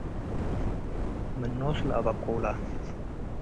ምን ኖስ ለአበቁለ